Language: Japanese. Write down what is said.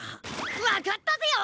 わかったぜよ！